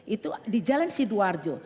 itu di jalan sidoarjo